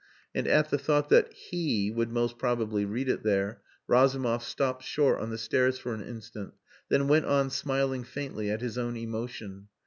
And at the thought that "He" would most probably read it there, Razumov stopped short on the stairs for an instant, then went on smiling faintly at his own emotion.